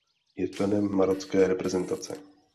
Je členem marocké reprezentace.